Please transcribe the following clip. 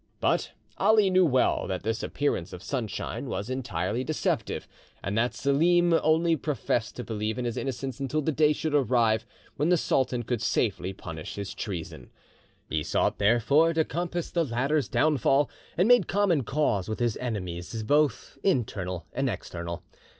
But Ali knew well that this appearance of sunshine was entirely deceptive, and that Selim only professed to believe in his innocence until the day should arrive when the sultan could safely punish his treason. He sought therefore to compass the latter's downfall, and made common cause with his enemies, both internal and external.